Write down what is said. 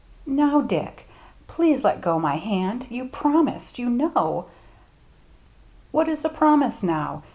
"Now, Dick — please let go my hand — you promised, you know —"" What is a promise now